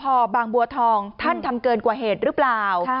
เอ๊ะตังรวจสภบางบัวทองท่านทำเกินกว่าเหตุหรือเปล่า